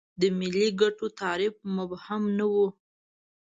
د ملي ګټو تعریف مبهم نه و.